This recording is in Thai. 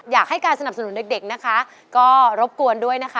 อยากให้การสนับสนุนเด็กนะคะก็รบกวนด้วยนะคะ